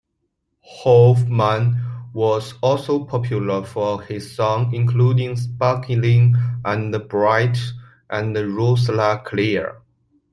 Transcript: Hoffman was also popular for his songs, including "Sparkling and Bright" and "Rosalie Clare.